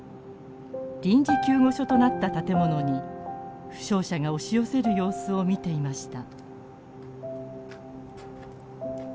臨時救護所となった建物に負傷者が押し寄せる様子を見ていました。